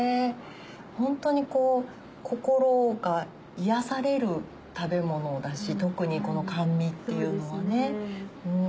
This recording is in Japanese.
ホントに心が癒やされる食べ物だし特にこの甘味っていうのはね。